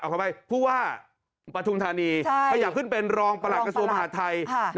ขออภัยผู้ว่าปฐุมธานีขยับขึ้นเป็นรองประหลักกระทรวงมหาดไทย